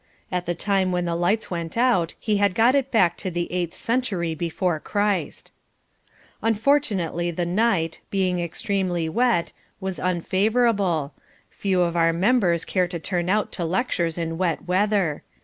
At the time when the lights went out he had got it back to the eighth century before Christ. Unfortunately the night, being extremely wet, was unfavourable. Few of our members care to turn out to lectures in wet weather.